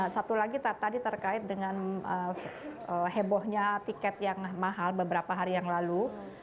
satu lagi tadi terkait dengan hebohnya tiket yang mahal beberapa hari yang lalu